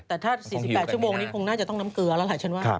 แต่ถ้า๔๘ชั่วโมงนี้คงน่าจะต้องน้ำเกลือแล้วหลายชั้นว่า